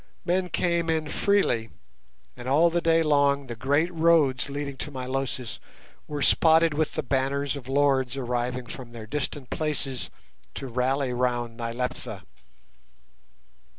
Men came in freely, and all the day long the great roads leading to Milosis were spotted with the banners of lords arriving from their distant places to rally round Nyleptha.